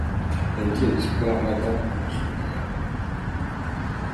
Elle dit à l'espoir : va-t'en ! au souvenir :